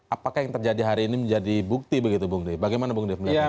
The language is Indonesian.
apakah yang terjadi hari ini menjadi bukti begitu bung de bagaimana bung dev melihatnya